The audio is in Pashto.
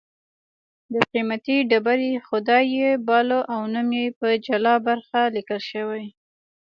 د قېمتي ډبرې خدای یې باله او نوم یې په جلا برخه لیکل شوی